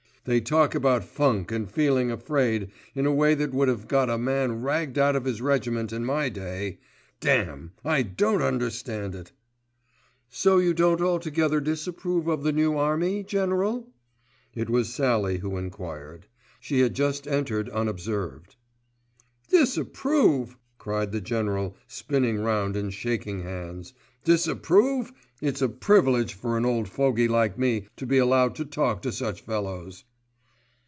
"They talk about funk and feeling afraid in a way that would have got a man ragged out of his regiment in my day;——Damme, I don't understand it!" "So you don't altogether disapprove of the new army, General?" It was Sallie who enquired. She had just entered unobserved. "Disapprove!" cried the General spinning round and shaking hands. "Disapprove! It's a privilege for an old fogey like me to be allowed to talk to such fellows."